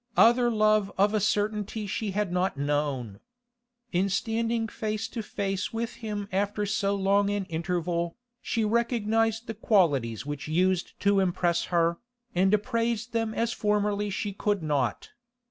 Other love of a certainty she had not known. In standing face to face with him after so long an interval, she recognised the qualities which used to impress her, and appraised them as formerly she could not.